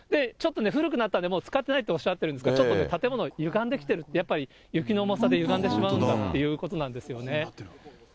ちょっとね、古くなったんで、もう使ってないとおっしゃってたんですが、ちょっと、建物ゆがんできてるって、やっぱり雪の重さでゆがんでしまうんだということなんですよね。